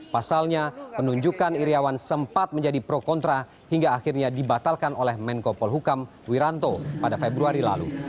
pasalnya penunjukan iryawan sempat menjadi pro kontra hingga akhirnya dibatalkan oleh menko polhukam wiranto pada februari lalu